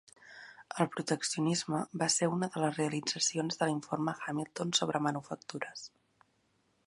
El proteccionisme va ser una de les realitzacions de l'informe Hamilton sobre manufactures.